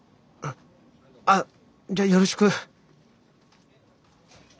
あっじゃあよろしく。